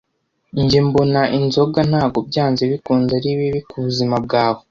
Njye mbona, inzoga ntabwo byanze bikunze ari bibi kubuzima bwawe.